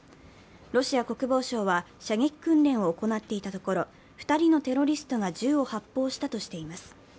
ロシア国防省は射撃訓練を行っていたところ、２人のテロリストが銃を発砲したとしています。